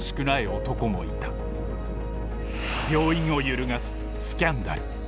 病院を揺るがすスキャンダル。